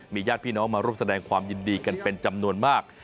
ญาติพี่น้องมาร่วมแสดงความยินดีกันเป็นจำนวนมาก